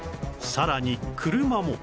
さらに車も